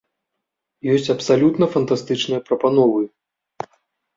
Ёсць і абсалютна фантастычныя прапановы.